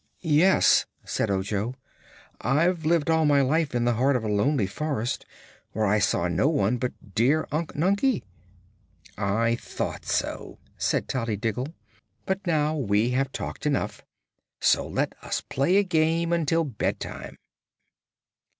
"Yes," said Ojo, "I've lived all my life in the heart of a lonely forest, where I saw no one but dear Unc Nunkie." "I thought so," said Tollydiggle. "But now we have talked enough, so let us play a game until bedtime."